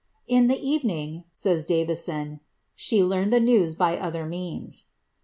^^ In the evening," says Davison, ^ she learned the news by other means."